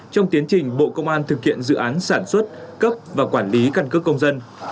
trong tiến trình bộ công an thực hiện dự án sản xuất cấp và quản lý căn cước công dân